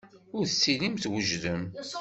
Ur tettilim twejdem.